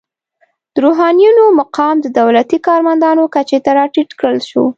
د روحانینو مقام د دولتي کارمندانو کچې ته راټیټ کړل شو.